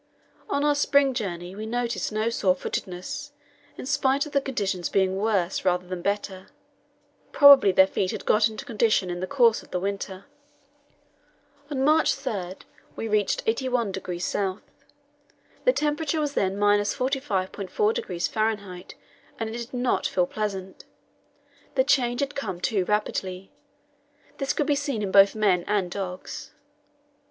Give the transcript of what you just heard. On our spring journey we noticed no sore footedness, in spite of the conditions being worse rather than better; probably their feet had got into condition in the course of the winter. On March 3 we reached 81° S. The temperature was then 45.4° F., and it did not feel pleasant. The change had come too rapidly; this could be seen both in men and in dogs.